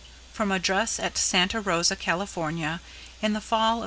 _From Address at Santa Rosa, California, in the Fall of 1905.